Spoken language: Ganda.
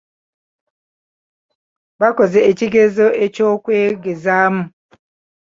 Baakoze ekigezo eky'okwegezaamu.